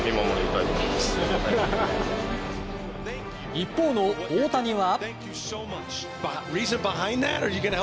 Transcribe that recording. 一方の大谷は。